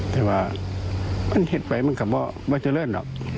แต่ว่ามันเห็นไปมันก็ไม่เจอเรื่องหรอก